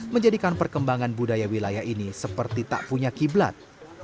menjadikan perkembangan budaya wilayah ini seperti tak punya kiblat